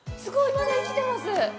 まだ生きてます！